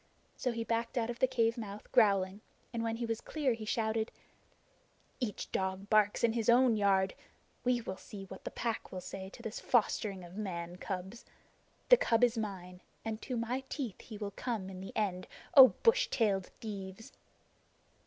So he backed out of the cave mouth growling, and when he was clear he shouted: "Each dog barks in his own yard! We will see what the Pack will say to this fostering of man cubs. The cub is mine, and to my teeth he will come in the end, O bush tailed thieves!"